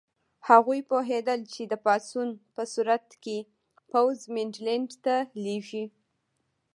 هغوی پوهېدل چې د پاڅون په صورت کې پوځ منډلینډ ته لېږي.